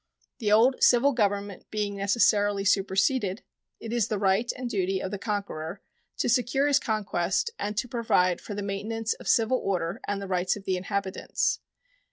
The old civil government being necessarily superseded, it is the right and duty of the conqueror to secure his conquest and to provide for the maintenance of civil order and the rights of the inhabitants.